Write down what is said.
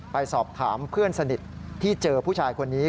ไปสอบถามเพื่อนสนิทที่เจอผู้ชายคนนี้